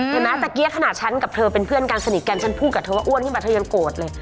เห็นไหมตะเกี้ขนาดฉันกับเธอเป็นเพื่อนกันสนิทกันฉันพูดกับเธอว่าอ้วนขึ้นมาเธอยังโกรธเลย